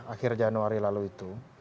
akhir januari lalu itu